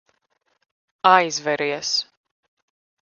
Aizveries.